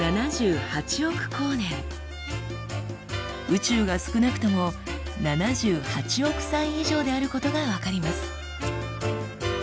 宇宙が少なくとも７８億歳以上であることが分かります。